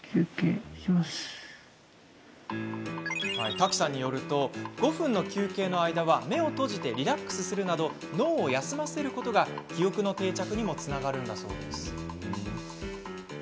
瀧さんによると５分の休憩の間は目を閉じてリラックスするなど脳を休ませることが記憶の定着にもつながるんだそうです。